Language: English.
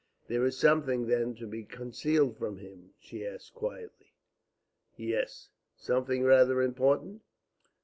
"There is something, then, to be concealed from him?" she asked quietly. "Yes." "Something rather important?"